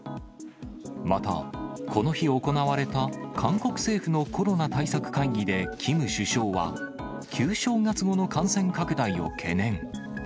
また、この日行われた韓国政府のコロナ対策会議でキム首相は、旧正月後の感染拡大を懸念。